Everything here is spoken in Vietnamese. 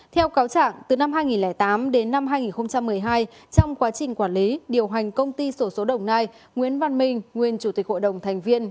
theo cáo trạng từ năm hai nghìn tám đến năm hai nghìn một mươi hai trong quá trình quản lý điều hành công ty sổ số đồng nai nguyễn văn minh nguyên chủ tịch hội đồng thành viên